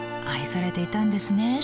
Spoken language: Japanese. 愛されていたんですね